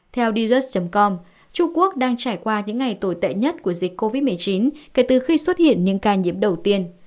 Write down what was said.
theo digus com trung quốc đang trải qua những ngày tồi tệ nhất của dịch covid một mươi chín kể từ khi xuất hiện những ca nhiễm đầu tiên